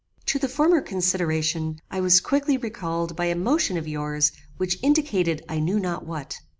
"To the former consideration I was quickly recalled by a motion of yours which indicated I knew not what.